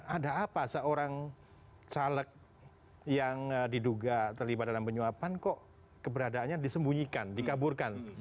ada apa seorang caleg yang diduga terlibat dalam penyuapan kok keberadaannya disembunyikan dikaburkan